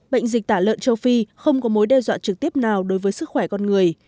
bệnh dịch tả lợn châu phi không có mối đe dọa trực tiếp nào đối với sức khỏe con người